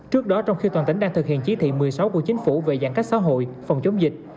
trước đó trong khi toàn tỉnh đang thực hiện chí thị một mươi sáu của chính phủ về giãn cách xã hội phòng chống dịch